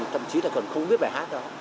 thậm chí là còn không biết bài hát đó